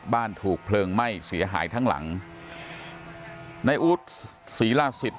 บ้านถูกเพลิงไหม้เสียหายทั้งหลังในอุทธิ์ศรีราชิต